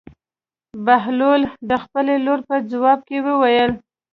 بهلول د خپلې لور په ځواب کې وویل.